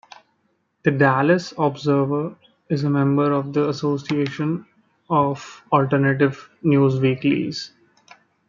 The "Dallas Observer" is a member of the Association of Alternative Newsweeklies.